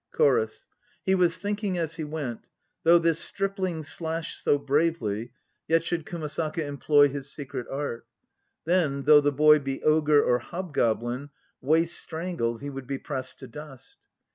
CHORUS. He was thinking as he went, "Though this stripling slash so bravely, Yet should Kumasaka employ his secret art, Then though the boy be ogre or hobgoblin, Waist strangled he would be pressed to dust."